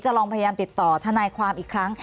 ลองพยายามติดต่อทนายความอีกครั้ง